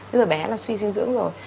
bây giờ bé là xuyên dưỡng rồi